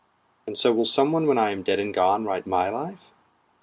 And so will some one when I am dead and gone write my life?